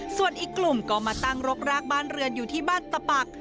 ส่วนอีกกลุ่มก็มาตั้งรกรากบ้านเรือนอยู่ที่บ้านตะปัก